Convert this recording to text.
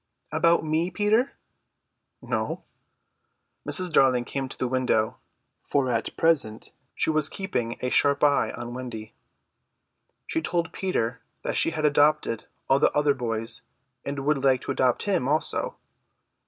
"About me, Peter?" "No." Mrs. Darling came to the window, for at present she was keeping a sharp eye on Wendy. She told Peter that she had adopted all the other boys, and would like to adopt him also.